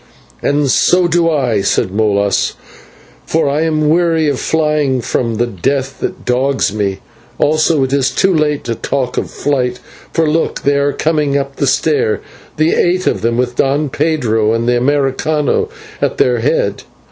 "And so do I," said Molas, "for I weary of flying from the death that dogs me. Also it is too late to talk of flight, for look, they are coming up the stair, the eight of them with Don Pedro and the /Americano/ at their head."